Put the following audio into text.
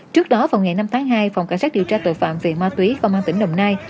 trước đó vào ngày năm tháng hai phòng cảnh sát điều tra tội phạm về ma túy công an tỉnh đồng nai